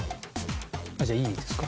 じゃあいいですか？